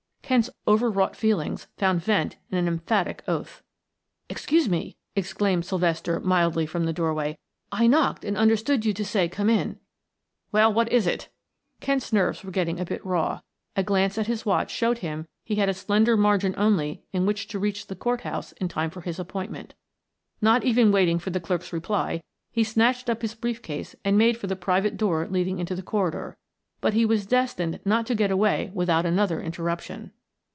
Kent's overwrought feelings found vent in an emphatic oath. "Excuse me," exclaimed Sylvester mildly from the doorway. "I knocked and understood you to say come in. "Well, what is it?" Kent's nerves were getting a bit raw; a glance at his watch showed him he had a slender margin only in which to reach the court house in time for his appointment. Not even waiting for the clerk's reply he snatched up his brief case and made for the private door leading into the corridor. But he was destined not to get away without another interruption.